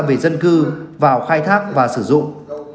về dân cư vào khai thác và sử dụng